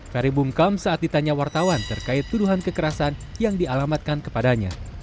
ferry bungkam saat ditanya wartawan terkait tuduhan kekerasan yang dialamatkan kepadanya